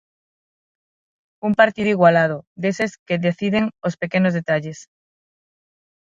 Un partido igualado, deses que deciden os pequenos detalles.